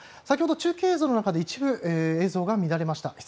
先ほど中継映像の中で一部映像が乱れました。